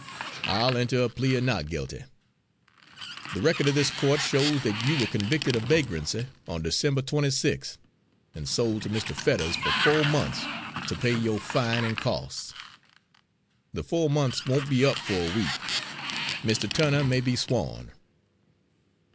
"I'll enter a plea of not guilty. The record of this court shows that you were convicted of vagrancy on December 26th, and sold to Mr. Fetters for four months to pay your fine and costs. The four months won't be up for a week. Mr. Turner may be sworn."